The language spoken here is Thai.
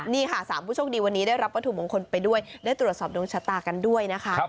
นี่ค่ะ๓ผู้โชคดีวันนี้ได้รับวัตถุมงคลไปด้วยได้ตรวจสอบดวงชะตากันด้วยนะคะ